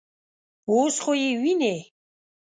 _اوس خو يې وينې.